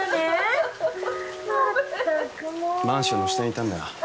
マンションの下にいたんだ。